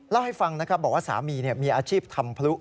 เล่าให้ฟังนะครับบอกว่าสามีมีอาชีพทำพลุ